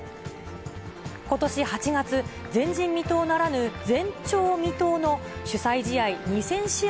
ことし８月、前人未到ならぬ、前鳥未到の主催試合２０００試合